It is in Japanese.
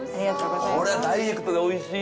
これはダイレクトでおいしい。